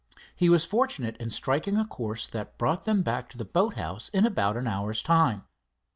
He was fortunate in striking a course that brought them back to the boat house in about an hour's time.